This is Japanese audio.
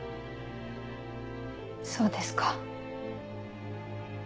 そうですか。